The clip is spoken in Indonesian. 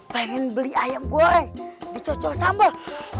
pengen beli ayam goreng dicocok sambal